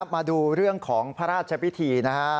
มาดูเรื่องของพระราชพิธีนะฮะ